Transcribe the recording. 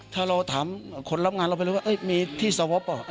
ถ้าเราถามคนรับงานเราไปรู้ว่ามีที่สวอปเปอร์